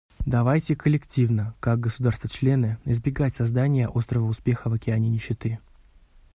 Давайте коллективно — как государства-члены — избегать создания острова успеха в океане нищеты.